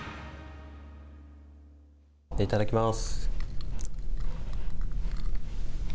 いただきます。